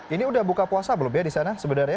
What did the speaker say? ini udah buka puasa belum ya di sana sebenarnya